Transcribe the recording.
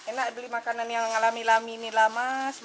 nggak beli makanan yang alami alami ini mas